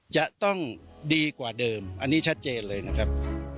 จะต้องดีกว่าเดิมอันนี้ชัดเจนเลยนะครับ